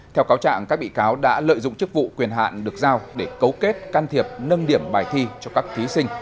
theo cáo trạng các bị cáo đã lợi dụng chức vụ quyền hạn được giao để cấu kết can thiệp nâng điểm bài thi cho các thí sinh